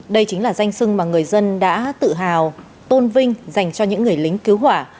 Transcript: đây chính là danh sưng mà người dân đã tự hào tôn vinh dành cho những người lính cứu hỏa